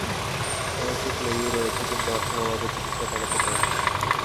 তাঁর অসুখ লেগেই রয়েছে, কিন্তু অর্থের অভাবে চিকিৎসা করাতে পারেন না।